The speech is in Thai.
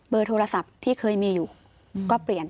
โทรศัพท์ที่เคยมีอยู่ก็เปลี่ยน